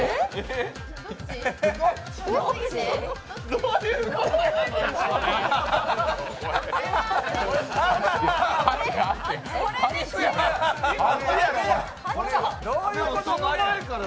どういうことやねん。